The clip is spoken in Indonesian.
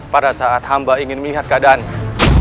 pada saat hamba ingin melihat keadaannya